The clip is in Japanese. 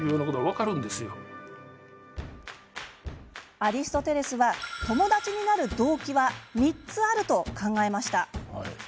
アリストテレスは友達になる動機は３つあると考えました。